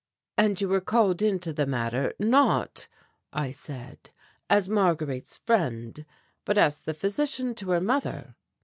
"And you were called into the matter, not," I said, "as Marguerite's friend, but as the physician to her mother?"